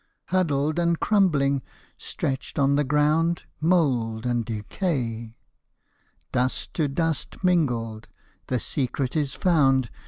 Huddled and crumbling, stretched on the ground, Mould and decaj' ; Dust to dust mingled, the secret is found.